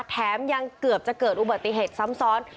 แถมยังเกือบจะเกิดอุบัติเหตุซ้ำซ้อน